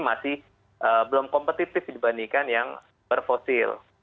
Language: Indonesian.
masih belum kompetitif dibandingkan yang berfosil